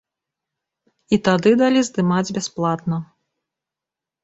І тады далі здымаць бясплатна.